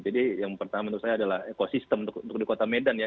jadi yang pertama menurut saya adalah ekosistem untuk di kota medan ya